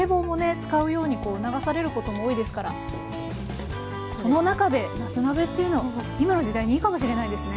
使うようにこう促されることも多いですからその中で「夏鍋」っていうのは今の時代にいいかも知れないですね。